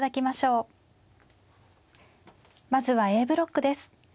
まずはＡブロックです。